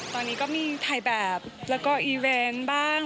ตอนนี้ก็มีถ่ายแบบแล้วก็อีเวนต์บ้าง